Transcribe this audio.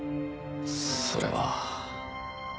それは。